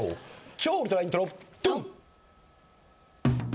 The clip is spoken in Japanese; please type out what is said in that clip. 超ウルトライントロドン！